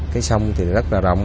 cái sông thì rất là rộng